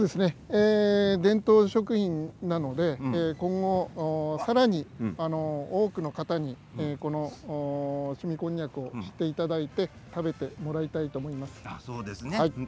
伝統食品なので今後さらに多くの方にしみこんにゃくを知ってもらって食べてもらいたいと思います。